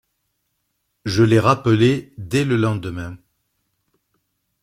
Je l’ai rappelée dès le lendemain.